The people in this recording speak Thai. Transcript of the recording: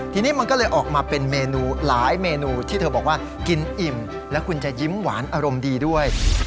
ทีนี้มันก็เลยออกมาเป็นเมนูหลายเมนูที่เธอบอกว่ากินอิ่มแล้วคุณจะยิ้มหวานอารมณ์ดีด้วย